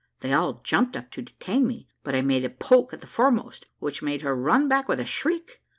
They all jumped up to detain me, but I made a poke at the foremost, which made her run back with a shriek.